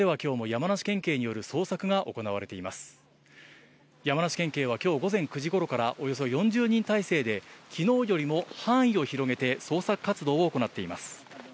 山梨県警は今日、午前９時頃からおよそ４０人態勢で昨日よりも範囲を広げて捜索活動を行っています。